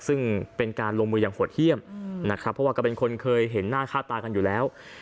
ซึ่งเป็นการลงมืออย่างโหดเยี่ยมนะครับเพราะว่าก็เป็นคนเคยเห็นหน้าค่าตากันอยู่แล้ว